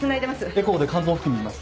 エコーで肝臓付近診ます。